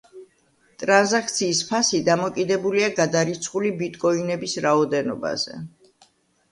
ტრანზაქციის ფასი დამოკიდებულია გადარიცხული ბიტკოინების რაოდენობაზე.